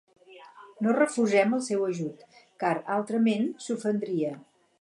No refusem el seu ajut, car, altrament, s'ofendria.